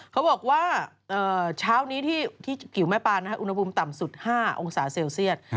เขาบอกว่าเช้านี้ที่กิ๋วแม่ปานอุณหภูมิต่ำสุด๕องศาเซลเซียต